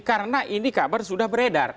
karena ini kabar sudah beredar